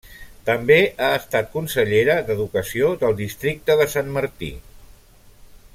També ha estat consellera d'educació del districte de Sant Martí.